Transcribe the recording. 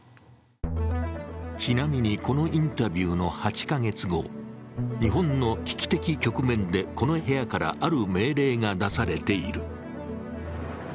ちなみにこのインタビューの８カ月後日本の危機的局面でこの部屋からある命令が出されている。